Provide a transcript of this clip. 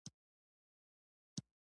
د افسانو له لارې موږ یو ګډ حقیقت منو.